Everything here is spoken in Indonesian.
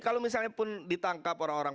kalau misalnya pun ditangkap orang orang